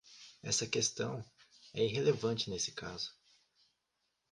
Esta questão é irrelevante neste caso.